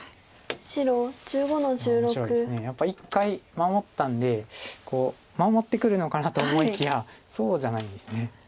やっぱり一回守ったんで守ってくるのかなと思いきやそうじゃないんですね。